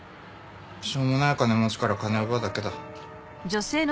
しょうもない金持ちから金奪うだけだ。